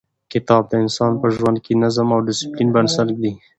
کتاب د انسان په ژوند کې د نظم او ډیسپلین بنسټ ږدي.